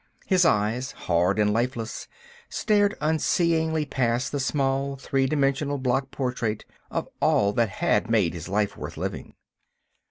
His eyes, hard and lifeless, stared unseeingly past the small, three dimensional block portrait of all that had made life worth living.